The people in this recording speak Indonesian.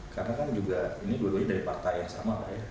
karena kan juga ini dua duanya dari partai yang sama pak ya